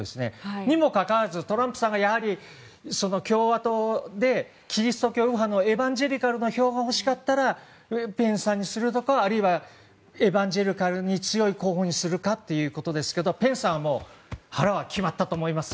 それにも、かかわらずトランプさんが共和党でキリスト教右派のエバンジェリカルの票が欲しかったらペンスさんにするとかあるいはエバンジェリカルに強い候補にするかということですがペンスさんの腹は決まったと思います。